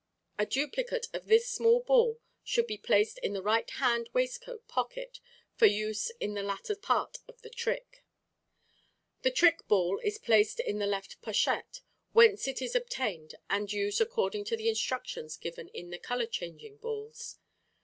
A duplicate of this small ball should be placed in the right hand waistcoat pocket for use in the latter part of the trick. Fig. 18. Trick Balls. The trick ball is placed in the left pochette, whence it is obtained and used according to the instructions given in the "Color changing Balls."